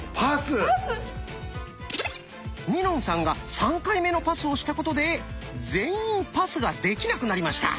パス⁉みのんさんが３回目のパスをしたことで全員パスができなくなりました。